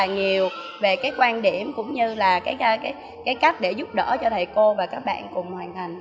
nhiều về cái quan điểm cũng như là cái cách để giúp đỡ cho thầy cô và các bạn cùng hoàn thành